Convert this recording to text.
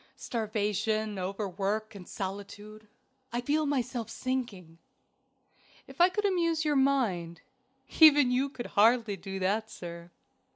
"Starvation, overwork, and solitude. I feel myself sinking." "If I could amuse your mind." "Even you could hardly do that, sir."